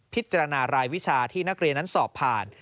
พิจารณารายวิชาที่นักเรียนนั้นสอบผ่าน